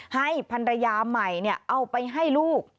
ให้พันรยาใหม่เอาไปให้ลูก